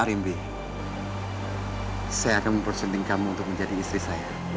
arimbi saya akan mempersenting kamu untuk menjadi istri saya